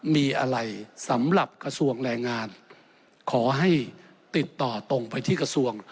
มีอะไรสำหรับกระทรวงแรงงานขอให้ติดต่อตรงไปที่กระทรวง